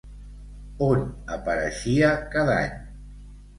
On apareixia cada any?